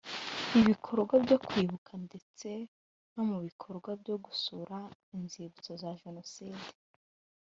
ibikorwa byo kwibuka ndetse no mu bikorwa byo gusura inzibutso za jenoside